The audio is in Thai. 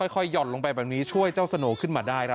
หย่อนลงไปแบบนี้ช่วยเจ้าสโน่ขึ้นมาได้ครับ